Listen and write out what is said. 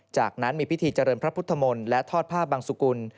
จากนั้นมีพิธีเจริญพระพุทธมนตร์และทอดผ้าบังสุกุล